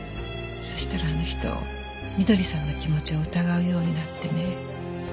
そしたらあの人翠さんの気持ちを疑うようになってね。